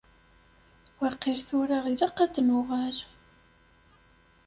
Waqil tura ilaq ad nuɣal.